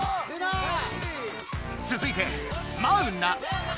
つづいてマウナ。